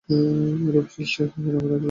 এরূপ ষ্টিাকে গ্রামে রাখিলে তো চলিবে না।